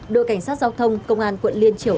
đội cảnh sát giao thông công an quận liên triều